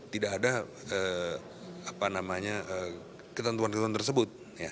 tidak ada ketentuan ketentuan tersebut